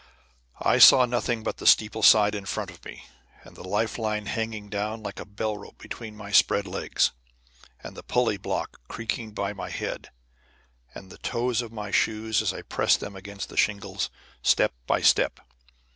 I saw nothing but the steeple side in front of me, and the life line hanging down like a bell rope between my spread legs, and the pulley block creaking by my head, and the toes of my shoes as I pressed them against the shingles step by step.